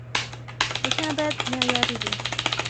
لیکنه باید معیاري وي.